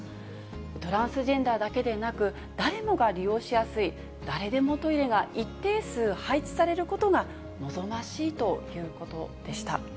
トランスジェンダーだけでなく、誰もが利用しやすい、誰でもトイレが一定数配置されることが望ましいということでした。